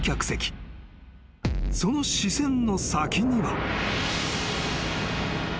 ［その視線の先には］